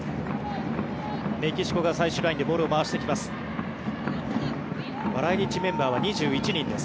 メキシコが最終ラインでボールを回してきます。